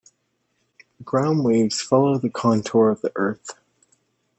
Ground waves follow the contour of the Earth.